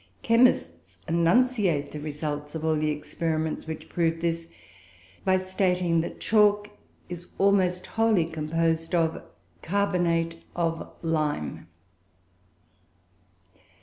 Chemists enunciate the result of all the experiments which prove this, by stating that chalk is almost wholly composed of "carbonate of lime."